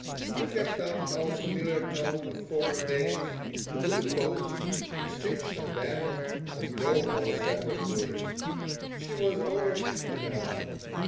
We kept up our familiar tone of former days. We would pause, exchange some banter, and go our several ways. She was over fifty now.